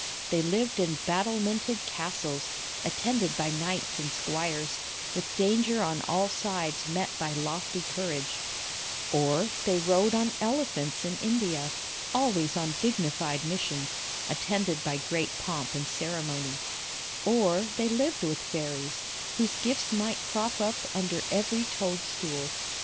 They lived in battlemented castles, attended by knights and squires, with danger on all sides met by lofty courage ; or they rode on elephants in India, always on dignified missions, attended by great pomp and ceremony; or they lived with fairies, whose gifts might crop up under every toadstool.